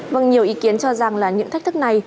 vâng nhiều ý kiến cho rằng là những thách thức này